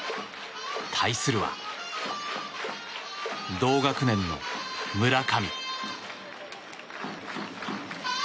対するは、同学年の村上。